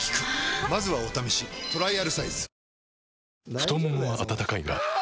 太ももは温かいがあ！